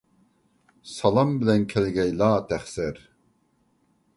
سالام بىلەن كەلگەيلا تەقسىر.